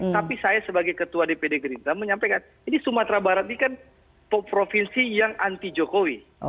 tapi saya sebagai ketua dpd gerindra menyampaikan ini sumatera barat ini kan provinsi yang anti jokowi